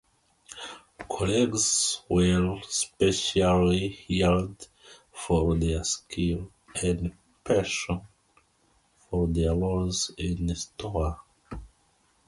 Colleagues were specially hired for their skill and passion for their roles in store.